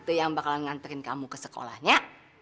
tante yang bakalan nganterin kamu ke sekolahnya